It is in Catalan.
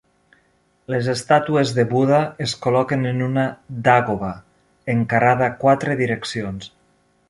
Les estàtues de Buda es col·loquen en una dàgoba, encarada a quatre direccions.